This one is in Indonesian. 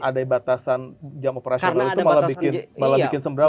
ada batasan jam operasional itu malah bikin sembra